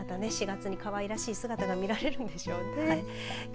また４月にかわいらしい姿が見られるんでしょうね。